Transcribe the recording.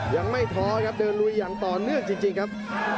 ยังไม่ท้อครับเดินลุยอย่างต่อเนื่องจริงครับ